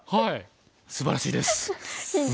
すばらしいです！